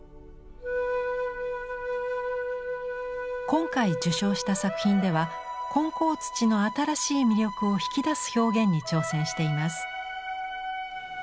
今回受賞した作品では混淆土の新しい魅力を引き出す表現に挑戦しています。